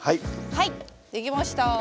はい出来ました。